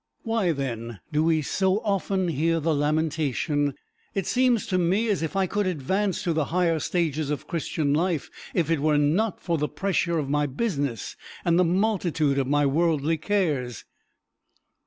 Why, then, do we so often hear the lamentation, "It seems to me as if I could advance to the higher stages of Christian life, if it were not for the pressure of my business and the multitude of my worldly cares"?